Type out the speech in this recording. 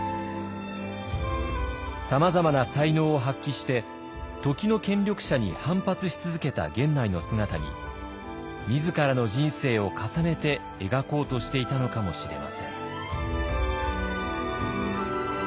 さまざまな才能を発揮して時の権力者に反発し続けた源内の姿に自らの人生を重ねて描こうとしていたのかもしれません。